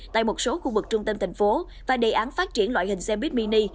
tại một số khu vực trung tâm thành phố và đề án phát triển loại hình xe buýt mini